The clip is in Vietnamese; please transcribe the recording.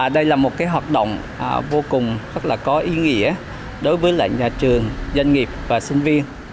đây là một hoạt động vô cùng có ý nghĩa đối với nhà trường doanh nghiệp và sinh viên